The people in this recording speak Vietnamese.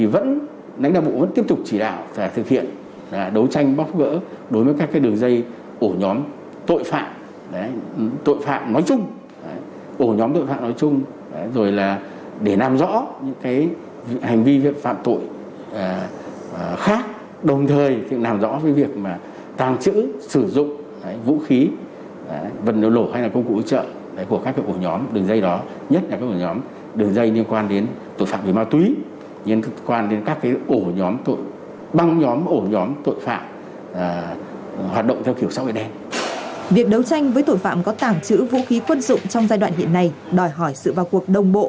việc đấu tranh với tội phạm có tảng trữ vũ khí quân dụng trong giai đoạn hiện nay đòi hỏi sự vào cuộc đồng bộ